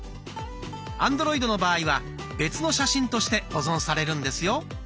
アンドロイドの場合は別の写真として保存されるんですよ。